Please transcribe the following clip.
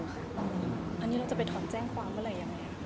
อันนี้เราจะไปถอนแจ้งความเมื่อไหร่ยังไง